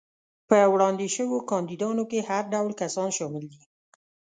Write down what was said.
په وړاندې شوو کاندیدانو کې هر ډول کسان شامل دي.